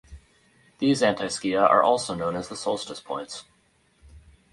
These antiscia are also known as the "solstice points".